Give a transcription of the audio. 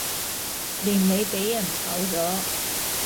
年尾俾人炒左